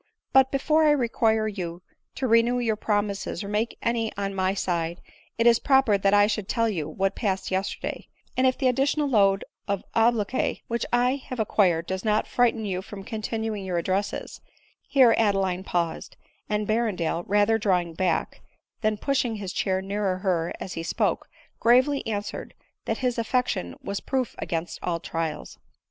" But before I require you to renew your promises, or make any on my side, it is proper that I should tell you what passed yesterday ; and if the additional kfiad of ob loquy which I have acquired does not frighten you from continuing your addresses —" here Adeline paused ; and Berrendale, rather drawing back, than pushing his chair nearer her as he spoke, gravely answered, that his affec tion was proof against all trials.